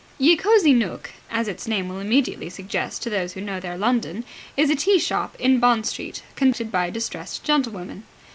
Ye Cosy Nooke, as its name will immediately suggest to those who know their London, is a tea shop in Bond Street, conducted by distressed gentlewomen.